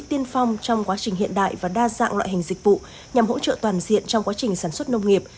tiên phong trong quá trình hiện đại và đa dạng loại hình dịch vụ nhằm hỗ trợ toàn diện trong quá trình sản xuất nông nghiệp